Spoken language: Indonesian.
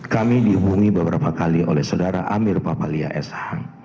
kami dihubungi beberapa kali oleh saudara amir papalia sh